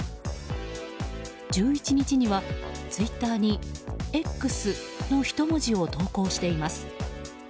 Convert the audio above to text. １１日にはツイッターにＸのひと文字を投稿しています。